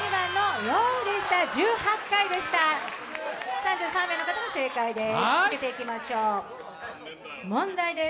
３３名の方が正解です。